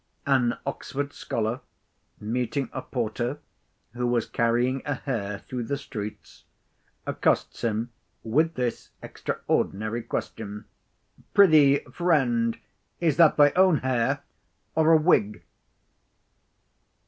An Oxford scholar, meeting a porter who was carrying a hare through the streets, accosts him with this extraordinary question: "Prithee, friend, is that thy own hare, or a wig?"